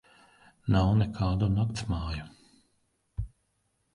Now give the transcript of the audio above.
Nav nekādu naktsmāju.